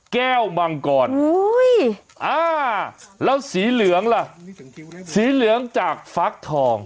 แก้วมังกรแล้วสีเหลืองล่ะสีเหลืองจากฟักทอง